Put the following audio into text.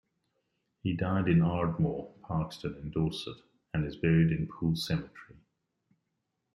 He died in Ardmore, Parkstone in Dorset and is buried in Poole Cemetery.